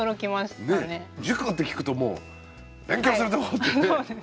塾なんて聞くともう「勉強するとこ」ってね。